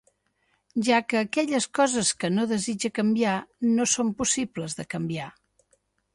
Ja que aquelles coses que no desitja canviar no són possibles de canviar.